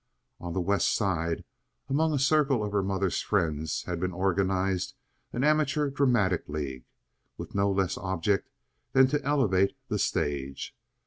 On the West Side, among a circle of her mother's friends, had been organized an Amateur Dramatic League, with no less object than to elevate the stage.